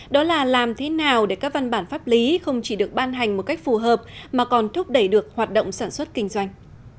đó là làm thế nào để các văn bản pháp lý không chỉ được ban hành một cách phù hợp mà còn thúc đẩy được hoạt động sản xuất kinh doanh